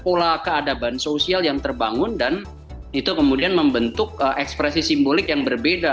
pola keadaban sosial yang terbangun dan itu kemudian membentuk ekspresi simbolik yang berbeda